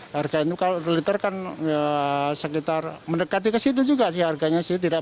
harga itu kalau liter kan ya sekitar mendekati ke situ juga sih harganya sih